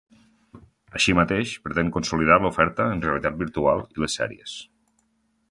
Així mateix, pretén consolidar l’oferta en realitat virtual i les sèries.